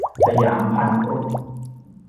สยามภัณฑ์กรุ๊ป